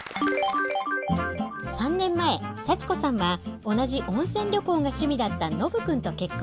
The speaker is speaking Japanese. ３年前サチコさんは同じ温泉旅行が趣味だったノブ君と結婚。